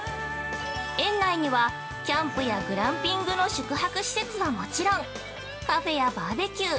園内にはキャンプやグランピングの宿泊施設はもちろんカフェやバーベキュー